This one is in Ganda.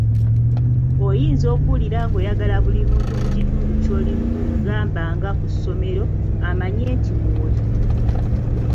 Oyinza okuwulira ng'oyagala buli muntu mu kitundu ky'olimu gamba nga ku ssomero amanye nti w'oli.